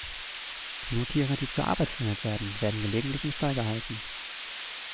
Nur Tiere, die zur Arbeit verwendet werden, werden gelegentlich im Stall gehalten.